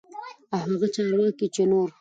او هغه چارواکي چې نور